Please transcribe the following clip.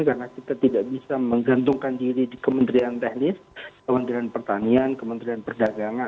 karena kita tidak bisa menggantungkan diri di kementerian teknis kementerian pertanian kementerian perdagangan